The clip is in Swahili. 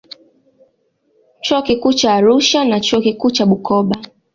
Chuo Kikuu cha Arusha na Chuo Kikuu cha Bukoba